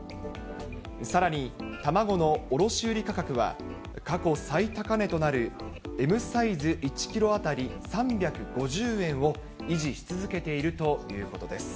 さらに、卵の卸売り価格は、過去最高値となるＭサイズ１キロ当たり３５０円を維持し続けているということです。